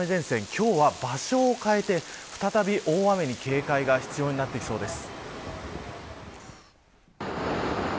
今日は場所を変えて、再び大雨に警戒が必要になってきそうです。